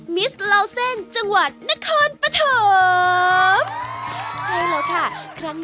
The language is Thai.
มิสลาวเซ่นจังหวัดน้ำ